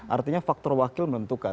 artinya faktor wakil menentukan